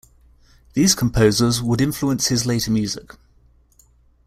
These composers would influence his later music.